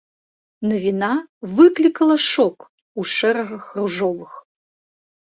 Навіна выклікала шок у шэрагах ружовых.